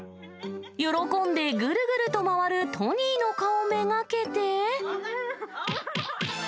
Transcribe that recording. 喜んでぐるぐると回るトニーの顔を目がけて。